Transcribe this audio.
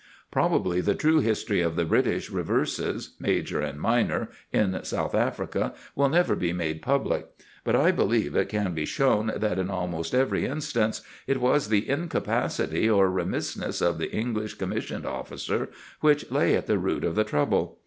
Probably the true history of the British reverses, major and minor, in South Africa will never be made public. But I believe it can be shown that in almost every instance it was the incapacity or remissness of the English commissioned officer which lay at the root of the trouble.